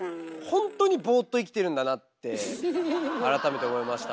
ほんとにボーっと生きてるんだなって改めて思いました。